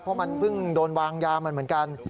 เพราะมันเพิ่งโดนวางยามันเหมือนกัน